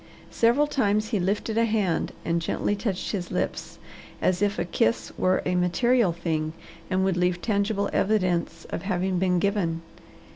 Several times he lifted a hand and gently touched his lips, as if a kiss were a material thing and would leave tangible evidence of having been given.